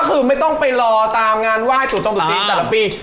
ก็คือไม่ต้องไปรอตามงานไหว้จุดจมตุจีนแต่ละปี